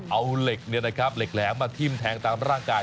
เอาเหล็กเหล็กแหลมมาทิ้มแทงตามร่างกาย